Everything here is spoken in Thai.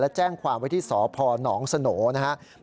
และแจ้งความว่าที่สพนสนนะครับ